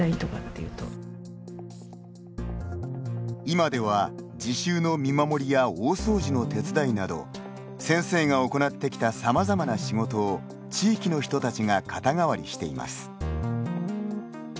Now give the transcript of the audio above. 今では、自習の見守りや大掃除の手伝いなど先生が行ってきたさまざまな仕事を地域の人たちが肩代わりしています。